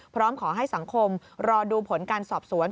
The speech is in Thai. พร้อมขอให้สังคมรอดูผลการสอบสวน